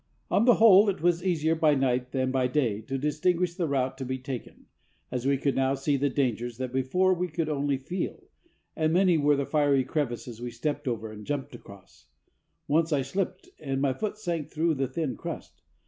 On the whole, it was easier by night than by day to distinguish the route to be taken, as we could now see the dangers that before we could only feel; and many were the fiery crevices we stepped over and jumped across. Once I slipped, and my foot sank through the thin crust.